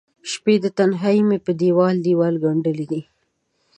شپې د تنهائې مې په دیوال، دیوال ګنډلې دي